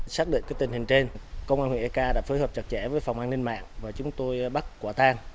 xác định tình hình trên công an huyện ek đã phối hợp chặt chẽ với phòng an ninh mạng và chúng tôi bắt quả tang